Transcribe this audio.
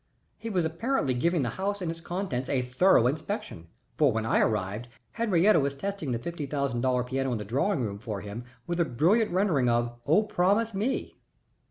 He was apparently giving the house and its contents a thorough inspection, for when I arrived, Henriette was testing the fifty thousand dollar piano in the drawing room for him with a brilliant rendering of "O Promise Me."